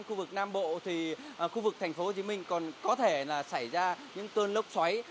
khu vực nam bộ thì khu vực thành phố hồ chí minh còn có thể xảy ra những tương lốc xoáy